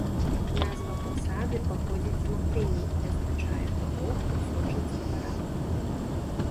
Назва пасады паходзіць з латыні і азначае таго, хто сочыць за парадкам.